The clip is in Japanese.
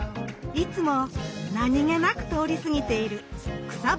いつも何気なく通り過ぎている草花や木々。